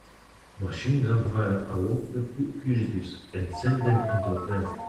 Machine gun fire awoke the fugitives and sent them into a frenzy.